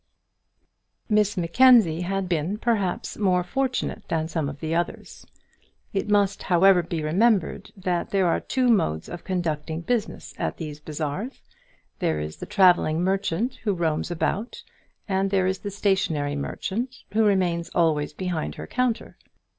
Miss Mackenzie had been, perhaps, more fortunate than some of the others. It must, however, be remembered that there are two modes of conducting business at these bazaars. There is the travelling merchant, who roams about, and there is the stationary merchant, who remains always behind her counter.